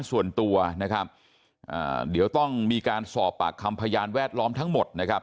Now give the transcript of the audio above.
ส่วนตัวนะครับเดี๋ยวต้องมีการสอบปากคำพยานแวดล้อมทั้งหมดนะครับ